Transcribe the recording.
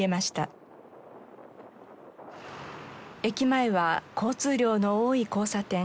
駅前は交通量の多い交差点。